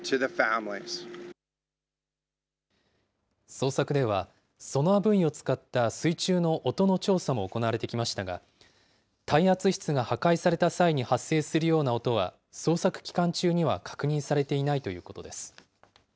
捜索では、ソナーブイを使った水中の音の調査も行われてきましたが、耐圧室が破壊された際に発生するような音は、捜索期間中には確認されていないということです。